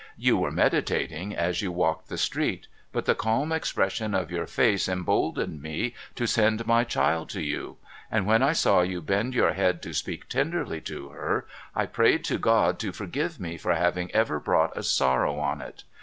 You were meditating as you walked the street, but the calm expression of your face em boldened me to send my child to you. And when I saw you bend your head to speak tenderly to her, I prayed to God to forgive me for having ever brought a sorrow on it.